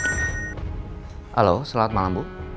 halo selamat malam bu